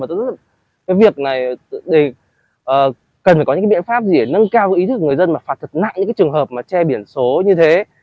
cái việc này cần phải có những biện pháp gì để nâng cao ý thức của người dân và phạt thật nặng những trường hợp che biển số như thế